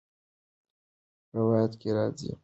روايت کي راځي: له نعمان بن بشير رضي الله عنه څخه روايت دی